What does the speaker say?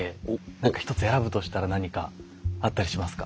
何か一つ選ぶとしたら何かあったりしますか？